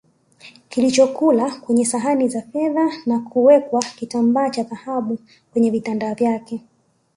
kilichokula kwenye sahani za fedha na kuweka kitambaa cha dhahabu kwenye vitanda vyake